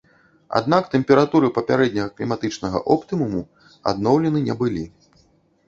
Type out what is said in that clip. Аднак тэмпературы папярэдняга кліматычнага оптымуму адноўлены не былі.